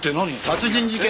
殺人事件？